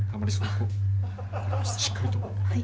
しっかりとはい。